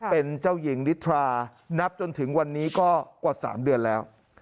เป็นเจ้าหญิงนิทรานับจนถึงวันนี้ก็กว่า๓เดือนแล้ว